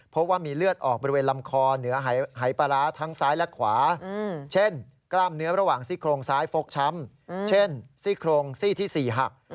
เพราะว่ามีเลือดออกบริเวณลำคอเหนือหายปลาร้าทั้งซ้ายและขวาเช่นกล้ามเนื้อระหว่างซี่โครงซ้ายฟกช้ำเช่นซี่โครงซี่ที่๔หัก